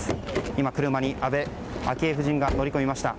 今、車に安倍昭恵夫人が乗り込みました。